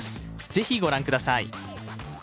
ぜひご覧ください。